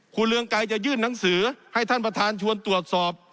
คุณเรืองไกรจะยื่นหนังสือให้ท่านประธานชวนตรวจสอบ